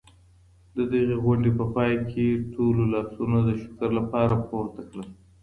د دغي غونډې په پای کي ټولو لاسونه د شکر لپاره پورته کړل.